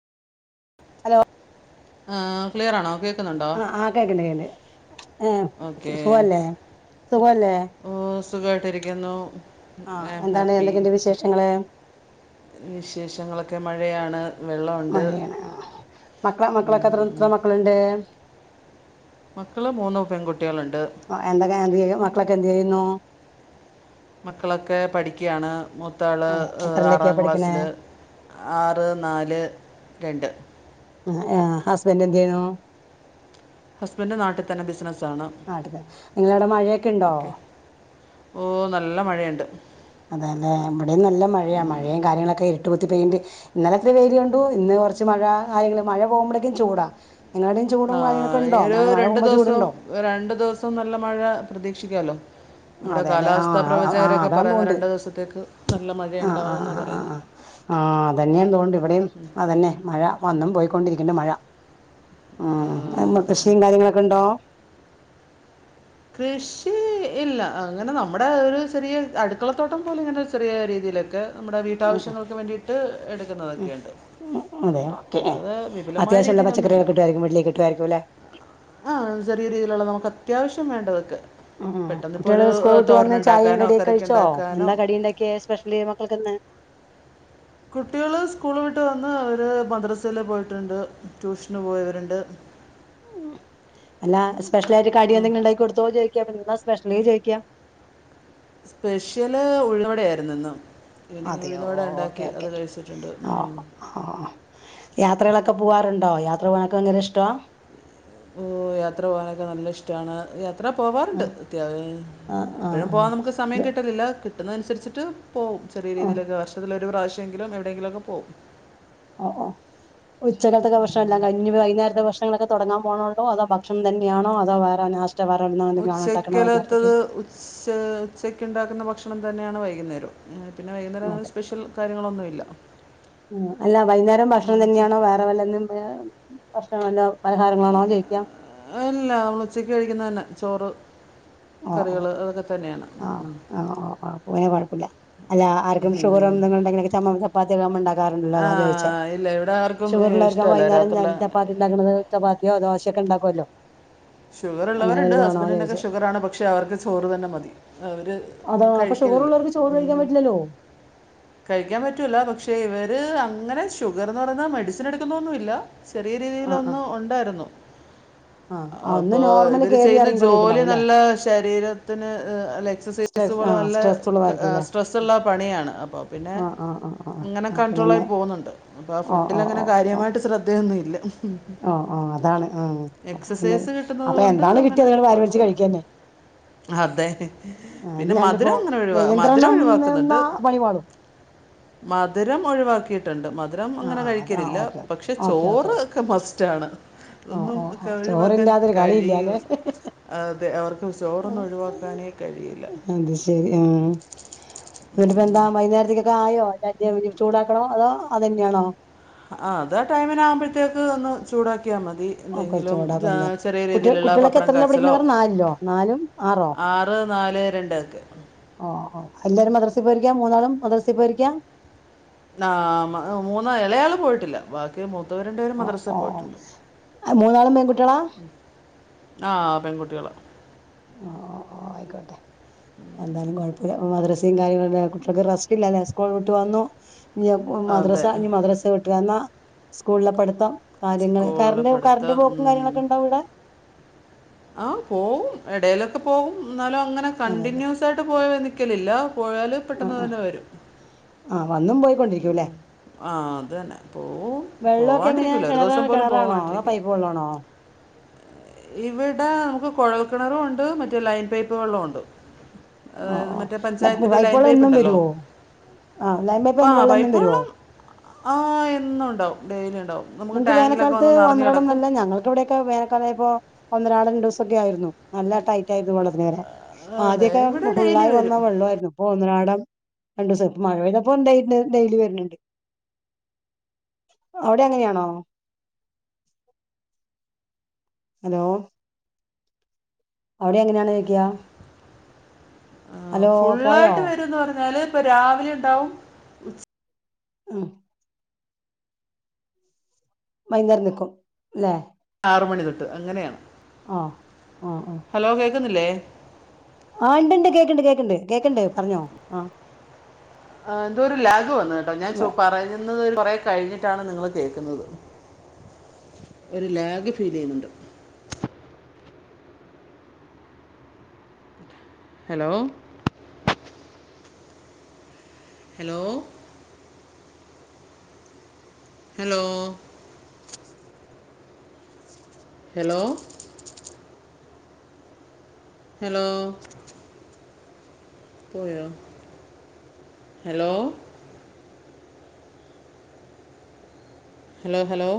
Hello ആഹ് clear ആണോ കേ ആഹ് ആഹ് കേക്ക്ണ്ട്. കേണ്ട് ഏ സുഖല്ലേ സുഖല്ലേ ഓഹ് സുഖായിട്ടിരിക്കുന്നു. ആഹ് എന്താണ് എന്തൊക്കെയുണ്ട് വിശേഷങ്ങള്? വിശേഷങ്ങളൊക്കെ മഴയാണ്. വെള്ളമുണ്ട് മഴയാണ് മക്കള മക്കളൊക്കെത്ര എത്ര മക്കള്ണ്ട്. മക്കള് മൂന്ന് പെൺകുട്ട്യാള്ണ്ട് എന്തൊക്കെ എന്ത് ചെയ്യ മക്കളൊക്കെ എന്തെയ്യുന്നു മക്കളൊക്കെ പഠിക്കാണ്. മൂത്താള് അതെ എത്രയിലൊക്കെയാ ആറാം പഠിക്കണേ ക്ലാസ്സില് ആറ്, നാല്, രണ്ട് ആഹ് ഹസ്ബന്റ് എന്തെയ്യ്ണു ഹസ്ബൻഡ് നാട്ട് തന്നെ ബിസിനസ്സാണ് നാട്ടി തന്നെ. നിങ്ങലവ്ടെ മഴയെക്കെണ്ടോ? ഓഹ് നല്ല മഴയുണ്ട്. അതാല്ലെ. ഇവടിം നല്ല മഴയാ. മഴയും കാര്യങ്ങളൊക്കെ ഇരിട്ട് പുത്തി പെയിണ്ട് ഇന്നലെത്ര വെയില് കണ്ടു. ഇന്ന് കൊർച്ച് മഴ കാര്യങ്ങള് മഴ പോകുമ്പളേക്കും ചൂടാ നിങ്ങളടേം ചൂടും കാര്യങ്ങളക്കെണ്ടോ മഴ പോമ്പോ ചൂട്ണ്ടോ? രണ്ടു ദിവസം നല്ല മഴ പ്രതീക്ഷിക്കാലോ നമ്മുടെ അതെല്ലെ കാലാവസ്ഥാ ആഹ് ആഹ് പ്രവചകരൊക്കെ അതാന്ന് പറയുന്ന തോന്നുണ്ട് രണ്ടു ദിവസത്തേക്ക് നല്ല ആഹ് ആഹ് മഴയുണ്ടാവുന്നാ ആഹ് ആഹ് പറയുന്നെ ആഹ് ആഹ് അതന്നെ തോണ്ട് ഇവിടെയും അതന്നെ മഴ വന്നും പോയിക്കൊണ്ടിരിക്ക്ണ്ട് മഴ ആഹ് അമ്മ ഇത് കൃഷിയും കാര്യങ്ങളൊക്കെ ഉണ്ടോ? കൃഷി ഇല്ല അങ്ങനെ നമ്മുടെ ഒരു ചെറിയ അടുക്കളത്തോട്ടം പോലെ ഇങ്ങനെ ചെറിയ രീതിയിലൊക്കെ. നമ്മുടെ ഉം വീട്ടാവശ്യങ്ങൾക്ക് വേണ്ടിയിട്ട് ഉം എടുക്കുന്നതൊക്കെയുണ്ട്. ഉം അതെ അതുകൊണ്ട് ഓക്കെ ഏ അല്ലാതെ വിപുലമായ അത്യാവശ്യള്ള പച്ചക്കറികൾ രീതിയിലൊന്നുമില്ല കിട്ട ട്ടായിരിക്കുല്ലേ? ആഹ് ചെറിയ രീതിയിലുള്ളത് നമുക്ക് അത്യാവശ്യം വേണ്ടതൊക്കെ. ഉം ഉം പെട്ടെന്ന് ഇപ്പോൾ കുട്ടികള് ഒരു സ്കൂൾ വിട്ട് വന്ന് ചായയും തോരനുണ്ടാക്കാനോ കടിയൊക്കെ കറിക്ക് കഴിച്ചോ ഉണ്ടാക്കാനോ എന്താ കടിയ്ണ്ടാക്കിയെ സ്പെഷ്യലി മക്കൾക്ക്ന്ന്. കുട്ടികള് സ്കൂള് വിട്ട് വന്ന് അവർ മദ്രസിൽ പോയിട്ടുണ്ട് ട്യൂഷന് പോയവര്ണ്ട്. അല്ല സ്പെഷ്യലായ്ട്ട് കടി എന്തെങ്കിലും ഉണ്ടാക്കി കൊടുത്തോ ചോയ്ക്കാ അപ്പം നിന്നാ സ്പെഷ്യല് ചോയിക്കാ? സ്പെഷ്യല് ഉള്ളവടെയായിരുന്നു ഇന്ന്. എനി അതെയോ ഉഴുന്ന് വട ഉണ്ടാക്കി അത് കഴിച്ചിട്ട്ണ്ട് ഉം. ആഹ് യാത്രകളൊക്കെ പോവാറ്ണ്ടോ യാത്ര പോകാനൊക്കെ ഭയങ്കര ഇഷ്ട? ഓ യാത്ര പോകാനൊക്കെ നല്ല ഇഷ്ടാണ് യാത്ര പോവാറുണ്ട് ആഹ് ഇത്യാ ആഹ് പിന്നെ പോവാൻ നമുക്ക് സമയം ആഹ് കിട്ടലില്ല. ട്ടുന്നതനുസരിച്ച്ട്ട് പോവും ചെിയ ആഹ് രീതിയിലൊക്കെ വർഷത്തിൽ ഒരു പ്രാവശ്യെങ്കിലും എവിടെയെങ്കിലുംക്കെ പോവും. ഓ ഓ. ഉച്ചകത്തക്കെ ഭഷണല്ലാം കഴിഞ്ഞ് ഞ് വൈനേരത്തെ ഭഷങ്ങളൊക്കെ തെടങ്ങാൻ പോണോ അതോ ഭക്ഷണം തന്നെയാണോ അതോ വേറെ നാശ് [unintelligible] ഉണ്ടാക്ക്ണ വകുന്നേരത്തേക്ക്? ഷ് ഉച്ചക്ക് ഇണ്ടാക്കുന്ന ഭക്ഷണം തന്നെയാണ് വൈകുന്നേരം. പിന്നെ വൈകുന്നേരം അ് അതെ സ്പെഷ്യൽ കാര്യങ്ങളൊന്നുമില്ല അഹ് ച്ചെ [unintelligible] ഭക്ഷണല്ലോ പലഹാരങ്ങളാണോ ചോയ്ക്കൃ. അല്ല മൾ ഉച്ചക്ക് കഴിക്ക്ന്നന്നെ ചോറ്. ഓ ആഹ കറികൾ അതൊക്കെ തന്നെയാണ് ഉം. ആഹ ആഹ് ആഹ് പോയ കുഴപ്പല്ലൃ. അല്ല ആർക്കും ഷുഗർ ഉം. എന്തും ഉണ്ടെങ്കിലേ ചമ്മ ചപ്പാത്തിക ഉണ്ടാക്കാറ്ണ്ടല്ലോ ആ അതാ ചോയ്ച്ച. ഇല്ല ഇവിടെ ആർ ഷുഗറുള്ളവർക്ക് വൈുന്നേരം ഞ ചപ്പാത്തി ഇണ്ടാക്ക്ണത് ചപ്പാത്തിയോ ദോശയൊക്കെ ഇണ്ടാക്കുല്ലോ. ഷുഗർ ഉള്ളവരുണ്ട് ഹസ്ബന്റിനെനക്കെ ഷുഗർ ആണ് പക്ഷേ അവർക്ക് ചോറ് തന്നെ മതി അവര്. അതാ അപ്പ ഷുഗർ ഉള്ളവർക്ക് ചോർ കഴിക്കാൻ പറ്റില്ലല്ലോ. കഴിക്കാൻ പറ്റൂല്ല പക്ഷേ ഇവര് അങ്ങനെ ഷുഗർ ന്ന് പറയുന്ന മെഡിസിൻ എടുക്കുന്നൊന്നുല്ല. ചെറിയ ആ ആ രീതിയിലൊന്ന് ഒണ്ടായിരുന്നു. ആഹ് ഒന്ന് അപ്പോ നോർമല് ഇവര് കേറി ചെയ്യ്ന്ന ജോലി ഇറങ്ങിക്കൊണ്ടിരിക്കണ്ടാവുംല്ലേ നല്ല ശരീരത്തിന് എക്സസൈ സ് സ്ട്രെസ് ആ പോലെ നല്ല സ്ട്രെസ് ഏ ഉള്ളതായിരിക്കുംല്ലേ സ്ട്രെസ്സുള്ള പണിയാണ് അപ്പോ പിന്നെ ആഹ് ആഹ് ആഹ് ആഹ് ഇങ്ങനെ അപ്പൊ കൺട്രോൾ പിന്നെ ആയി പോകുന്നുണ്ട്. അപ്പൊ ആഹ് ഓ ഫുഡിൽ ഓ അങ്ങനെ ഓ ഓ കാര്യമായിട്ട് ശ്രദ്ധയൊന്നും ഇല്ല. ഓ ഓ അതാണ് ആഹ്. അപ്പൊ പിന്നെ എക്സസൈസ് കിട്ടുന്നത് അപ്പൊ കൊണ്ട് എന്താണ് അങ്ങനെ കിട്ടിയത് അത് വാരിവലിച്ച് കെഴപ്പല്ല. കഴിക്കന്നെ അതെ ആ, പിന്നെ അല്ലാണ്ട് ഇപ്പോ മധുരം അങ്ങനെ ഒഴിവാ മധുരം നിയന്ത്രണം ഒഴിവാക്ക്ന്ന്ണ്ട്. നിന്നാ പണി പാളും മധുരം ഒഴിവാക്കിയിട്ട്ണ്ട് മധുരം ആഹ് അങ്ങനെ ആഹ് അത് ആഹ് കഴിക്കലില്ല ഓക്കെ പക്ഷെ ഓക്കെ ഓക്കെ ചോറ്. ഓക്കെ ഒക്കെ മസ്റ്റാണ്. ഓ അതൊന്നും ഓ ഒക്കെ ആഹ് ചോറില്ലാത്തൊരു കളില്ലൃല്ലേ. അതെ അവർക്ക് ചോറൊന്നും ഒഴിവാക്കാനേ കഴിയില്ല. ന്നട്ട്പ്പ എന്താ വൈന്നേരത്തേക്ക് ഒക്കെ ആയോ [unintelligible] ചൂടാക്കണോ അതോ അതന്നെയാണോ? ആഹ് അത് ആഹ് ടൈമിന് ആകുമ്പോഴത്തേക്ക് ഒന്ന് ചൂടാക്കിയാ മതി. ഒക്കെ എന്തെങ്കിലും ചൂടാക്കല്ലേ ആഹ് ചെറിയ കുട്ടി രീതിയില്ള്ള കുട്ടികളൊക്കെ പപ്പടം എത്രല്ല പഠിക്കണ കാച്ചലോ. പറ നാലിലോ നാലും ആറോ ആറ് നാല് രണ്ടക്കെ ഓ ഓ എല്ലാരും മദ്രസേ പോയിരിക്കാ മൂന്നാളും മദ്രസേ പോയിരിക്കാ. ന്നാ മ മൂന്ന് എളയാള് പോയിട്ടില്ല ബാക്കി മൂത്തവര്ണ്ട് ഒ ഓ മൂന്നാളും പേൺകുട്ടിയളാ ആ പെൺകുട്ടികള ഓ അയിക്കോട്ടെ എന്തായാലും കോഴപ്പ മദ്രസിം കാര്യങ്ങള് കുട്ടിയൾക്ക് റസ്റ്റ് ഇല്ലല്ലേ സ്കൂള് വിട്ട് വന്നു ഇഞ്ഞി അതെ മദ്രസ ഇഞ് മദ്രസ വിട്ടുവന്ന സ്കൂൾലെ പട്ത്തം കാര്യങ്ങള് സ്കൂളിൽ കറണ്ട് കറണ്ട് പഠിത്തം പോക്കും ഉം. കാര്യങ്ങളൊക്ക ഇണ്ടോ അവ്ടെ ആ പോവും എടെലൊക്ക പോവും ന്നാലും അങ്ങനെ അതല്ലേ കണ്ടിന്യൂസ് സായിട്ട് പോഴി വന്ന് നിക്കലില്ല പോയാല് ആ ആ ആ വന്നും പോയിക്കൊണ്ടിരിക്കൂലെ ഉം. ആ അത് തന്നെ പോവും വെള്ളമൊക്കെ പോവാണ്ടിരിക്കൂല ഒരു ദെവസം പോലും പോവാണ്ടിരിക്കൂല കൊള്ളണോ ഇവടെ നമുക്ക് കോഴൽ കെണറും ഉണ്ട് മറ്റേ ലൈൻ പൈപ്പ് വെള്ളുണ്ട് ഏ ഓ ഓ മറ്റേ പഞ്ചായത്തിന്റെ ലൈൻ വെള്ളം പൈപ്പ് എന്നും ഇണ്ടല്ലോ വരുവോ ആഹ് ആ ലൈമേപ്പേന്ന് വെള്ളൊന്നും പൈപ്പ് വരുവോ വള്ളം ആ എന്നും ഇണ്ടാവും ഡൈലി ഇണ്ടാവും നിങ്ങക്ക് വേനക്കാലത്ത് ഒന്നരാടം നല്ല ഞങ്ങൾ ഇവിടെയൊക്കെ വേനക്കാല ആയപ്പോ ഒന്നരാടം രണ്ട് ദിവസോക്കെ ആയിരുന്നു നല്ല ടൈറ്റ് ആയിരുന്നു വള്ളത്തിന് വരെ അതെ ആദ്യൊക്കെ ഇവിടെ ഡെയിലി ഫുള്ളായി വരും വന്ന വെള്ളായിരുന്നു അപ്പൊ ഒന്നരാടം രണ്ടൂസം മഴ പെയ്തപ്പ ഡേ ഡെയിലി വര്ന്ണ്ട് അവ്ടെ അങ്ങനെണോ ഹലോ അവ്ടി അങ്ങനെണോ ചോയ്ക ആ പോയോ ഫുള്ളായിട്ട് വരുന്ന് പർഞ്ഞാല് ഇപ്പം രാവിലെ ഇണ്ടാവും ആ വെയ്ന്നേരം നിക്കും ലെ ആറ് മണി തൊട്ട് അങ്ങനെണ് ആ ആ ആ ഹലോ കേക്കുന്നില്ലേ ആ ഇണ്ട് ഇണ്ട് കേക്ക്ണ്ട് കേക്ക്ണ്ട് കേക്ക്ണ്ട് പർഞ്ഞോ ആ ആ എന്തൊ ഒരു ലാഗ് വന്നു കേട്ടോ ഞാൻ ആഹ് ചോ പറഞ ന്നത് കൊറേ കഴിഞ്ഞിട്ടാണ് നിങ്ങള് കേക്ക്ന്നത് ഒരു ലാഗ് ഫീലെയ്യ്ന്ന്ണ്ട് hello hello hello hello hello പോയോ ഹലോ ഹലോ ഹലോ